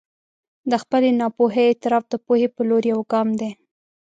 د خپلې ناپوهي اعتراف د پوهې په لور یو ګام دی.